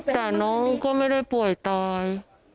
แต่น้องก็ไม่ได้ป่วยตาย